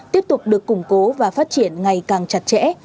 tiếp tục được củng cố và phát triển ngày càng chặt chẽ